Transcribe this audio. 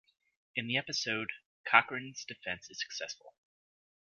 In the episode, Cochran's defense is successful.